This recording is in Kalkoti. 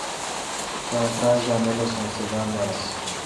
کاں تراچ دا نہ لسونس تے باڑ باڑ انس